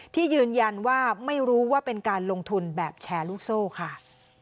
ที่ยืนยันว่าไม่รู้ว่าเป็นการลงทุนแบบแชร์ลูกโซ่ค่ะ